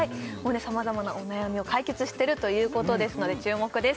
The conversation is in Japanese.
さまざまなお悩みを解決してるということですので注目です